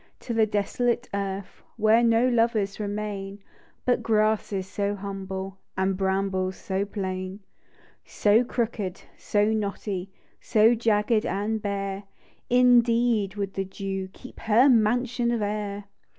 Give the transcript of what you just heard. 19 To the desolate earth ; Where no lovers remain But grasses so humble, And brambles so plain, So crooked, so knotty, So jagged and bare — Indeed would the dew Keep her mansion of air